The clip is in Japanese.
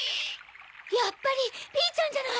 やっぱりＰちゃんじゃない！